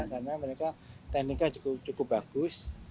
karena mereka teknika cukup bagus